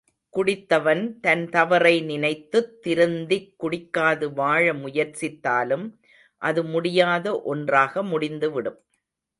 குடித்தவன் தன் தவறை நினைத்துத் திருந்திக் குடிக்காது வாழ முயற்சித்தாலும், அது முடியாத ஒன்றாக முடிந்துவிடும்.